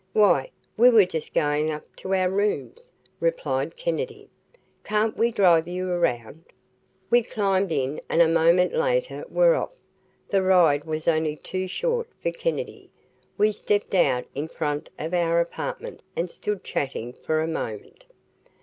"Why, we were just going up to our rooms," replied Kennedy. "Can't we drive you around?" We climbed in and a moment later were off. The ride was only too short for Kennedy. We stepped out in front of our apartment and stood chatting for a moment.